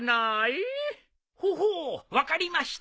ほほう分かりました。